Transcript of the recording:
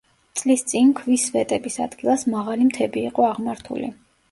წლის წინ ქვის სვეტების ადგილას მაღალი მთები იყო აღმართული.